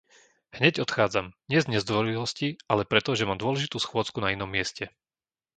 Hneď odchádzam, nie z nezdvorilosti, ale preto, že mám dôležitú schôdzku na inom mieste.